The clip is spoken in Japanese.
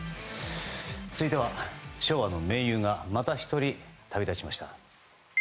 続いては昭和の名優がまた１人旅立ちました。